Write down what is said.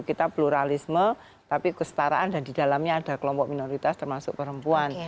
kita pluralisme tapi kestaraan dan di dalamnya ada kelompok minoritas termasuk perempuan